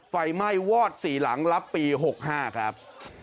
ไฟไหม้วอด๔หลังรับปี๖๕ครับ